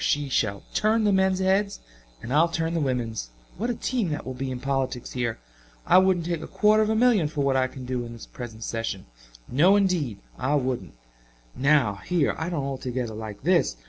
She shall turn the men's heads and I'll turn the women's! What a team that will be in politics here. I wouldn't take a quarter of a million for what I can do in this present session no indeed I wouldn't. Now, here I don't altogether like this.